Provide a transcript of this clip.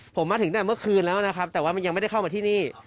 ผมมาถึงแต่เมื่อคืนแล้วนะครับแต่ว่ามันยังไม่ได้เข้ามาที่นี่